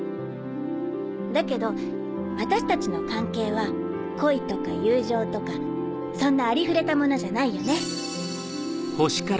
だけど私たちの関係は恋とか友情とかそんなありふれたものじゃないよね。